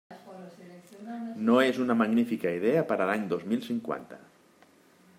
No és una magnífica idea per a l'any dos mil cinquanta.